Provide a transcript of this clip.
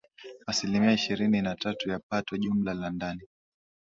asilimia ishirini na tatu ya pato jumla la ndani